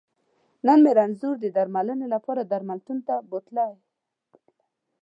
نن مې رنځور د درمنلې لپاره درملتون ته بوتلی